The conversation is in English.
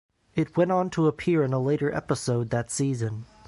It went on to appear in a later episode that season.